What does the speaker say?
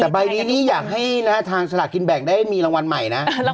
แต่ใบนี้นี่อยากให้นะฮะทางสลากกินแบ่งได้มีรางวัลใหม่นะ